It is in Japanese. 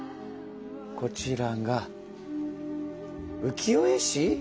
こちらが浮世絵師？